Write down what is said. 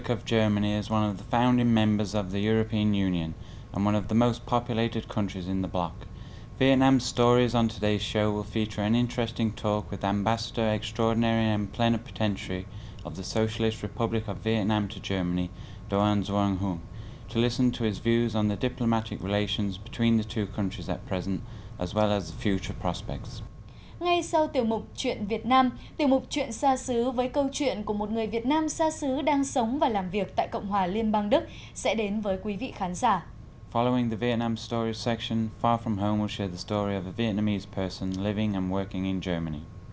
ngay sau tiểu mục chuyện việt nam tiểu mục chuyện xa xứ với câu chuyện của một người việt nam xa xứ đang sống và làm việc tại cộng hòa liên bang đức sẽ đến với quý vị khán giả